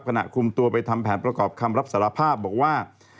ขณะคุมตัวไปทำแผนประกอบคำรับสารภาพบอกว่า